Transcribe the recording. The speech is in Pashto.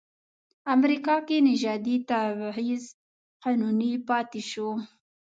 امریکا کې نژادي تبعیض قانوني پاتې شو.